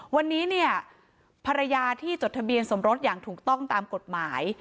วันนี้เนี่ยภรรยาที่จดทะเบียนสมรสอย่างถูกต้องตามกฎหมาย